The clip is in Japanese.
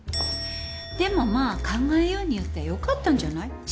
でもまあ考えようによってはよかったんじゃない？